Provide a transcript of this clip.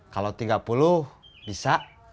kalau tiga puluh bisa